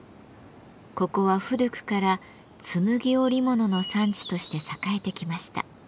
ここは古くからつむぎ織物の産地として栄えてきました。